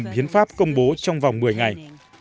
hội đồng biến pháp công bố trong vòng một mươi ngày